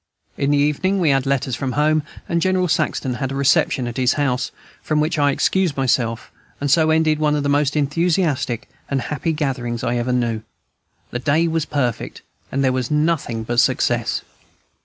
In the evening we had letters from home, and General Saxton had a reception at his house, from which I excused myself; and so ended one of the most enthusiastic and happy gatherings I ever knew. The day was perfect, and there was nothing but success.